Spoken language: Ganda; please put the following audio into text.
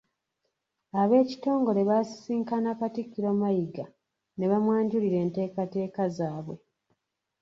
Ab'ekitongole baasisinkana Katikkiro Mayiga ne bamwanjulira enteekateeka zaabwe.